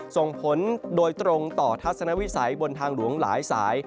ส่งผลโดยตรงต่อทัศนวิสัยบนทางหลวงหลายสาย